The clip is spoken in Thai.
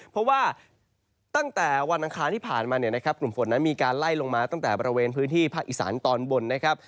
เพราะว่าตั้งแต่วันอังคารที่ผ่านมาเนี่ยนะครับกลุ่มฝนนั้นมีการไล่ลงมาตั้งแต่บริเวณพื้นที่ภาคอีสานตอนบนนะครับ